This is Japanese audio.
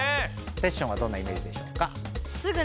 テッショウはどんなイメージでしょうか？